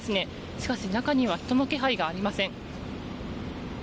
しかし中には人の気配はありません。